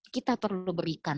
kita perlu berikan